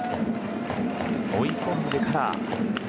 追い込んでから。